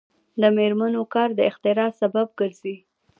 د میرمنو کار د اختراع سبب ګرځي.